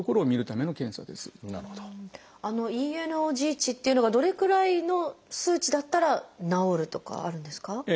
値っていうのがどれくらいの数値だったら治るとかはあるんですか？